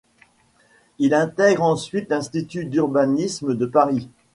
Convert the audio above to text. Il intègre ensuite l'Institut d'urbanisme de Paris.